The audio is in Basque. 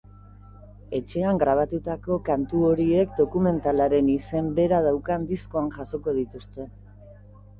Etxean grabatutako kantu horiek dokumentalaren izen bera daukan diskoan jasoko dituzte.